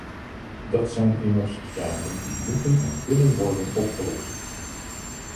Dat zijn immers zaken die moeten en kunnen worden opgelost.